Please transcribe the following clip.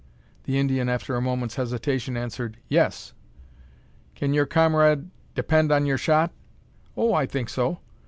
The Indian after a moment's hesitation, answered, "Yes." "Kin your cummarade depend on yer shot?" "Oh! I think so.